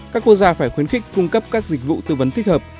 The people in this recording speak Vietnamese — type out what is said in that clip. các quốc gia phải khuyến khích cung cấp các dịch vụ tư vấn thích hợp